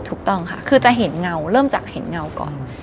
ถูกต้องค่ะคือจะเห็นเงาเริ่มจากเห็นเงาก่อน